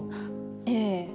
ええ。